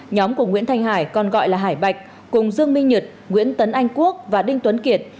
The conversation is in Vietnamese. nhóm của nguyễn thanh hải còn gọi là hải bạch cùng dương minh nhật nguyễn tấn anh quốc và đinh tuấn kiệt